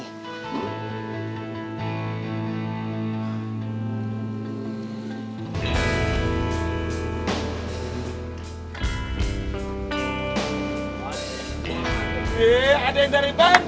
heee ada yang dari bandung nih